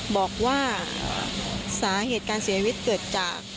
บอกว่าสาเหตุการเสียชีวิตเกิดจาก